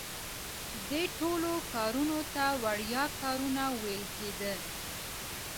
دې ټولو کارونو ته وړیا کارونه ویل کیده.